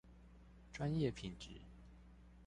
專業品質